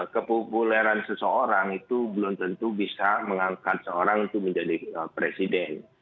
kepopuleran seseorang itu belum tentu bisa mengangkat seorang itu menjadi presiden